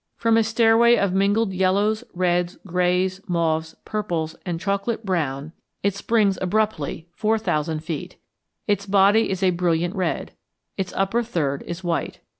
From a stairway of mingled yellows, reds, grays, mauves, purples, and chocolate brown, it springs abruptly four thousand feet. Its body is a brilliant red. Its upper third is white.